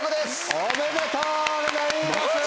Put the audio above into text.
おめでとうございます！